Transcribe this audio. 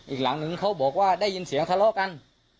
อีกหลังนึงเขาบอกว่าได้ยินเสียงทะเลาะกัน